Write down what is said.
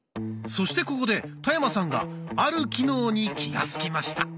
そしてここで田山さんがある機能に気が付きました。